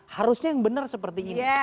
harusnya yang benar seperti ini